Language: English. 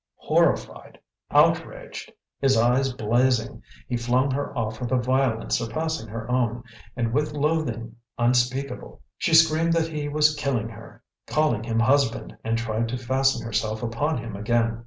Horrified, outraged, his eyes blazing, he flung her off with a violence surpassing her own, and with loathing unspeakable. She screamed that he was killing her, calling him "husband," and tried to fasten herself upon him again.